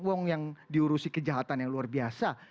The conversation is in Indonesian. bohong yang diurusi kejahatan yang luar biasa